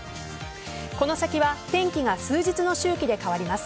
この先は天気が数日の周期で変わります。